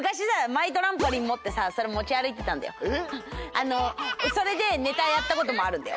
あのそれでネタやったこともあるんだよ。